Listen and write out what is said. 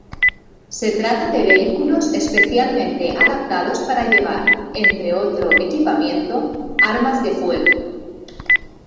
Se trata de vehículos especialmente adaptadas para llevar, entre otro equipamiento, armas de fuego.